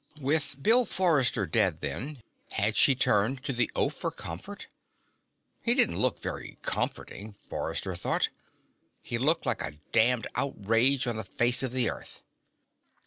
With Bill Forrester dead, then, had she turned to the oaf for comfort? He didn't look very comforting, Forrester thought. He looked like a damned outrage on the face of the Earth.